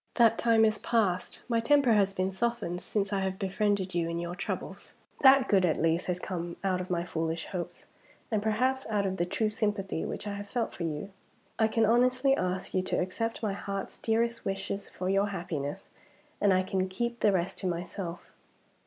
That time is past. My temper has been softened, since I have befriended you in your troubles. That good at least has come out of my foolish hopes, and perhaps out of the true sympathy which I have felt for you. I can honestly ask you to accept my heart's dearest wishes for your happiness and I can keep the rest to myself.